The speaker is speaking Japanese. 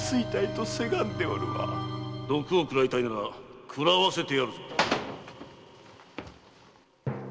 ・毒を食らいたいなら食らわせてやるぞ。